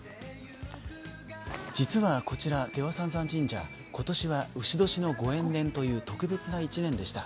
実はこちら、出羽三山神社、今年はうし年のご縁年という特別な１年でした。